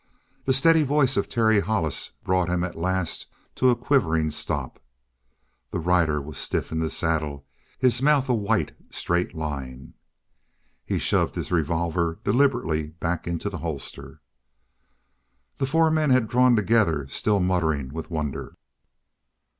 The steady voice of Terry Hollis brought him at last to a quivering stop. The rider was stiff in the saddle, his mouth a white, straight line. He shoved his revolver deliberately back into the holster. The four men had drawn together, still muttering with wonder.